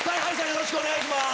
よろしくお願いします。